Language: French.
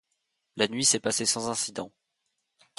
La nuit s’est passée sans incident.